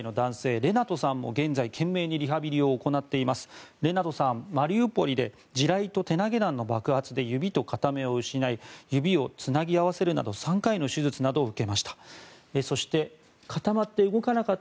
レナトさんはマリウポリで地雷と手投げ弾の爆発で指と片目を失い指をつなぎ合わせるなど３回の手術を受けました。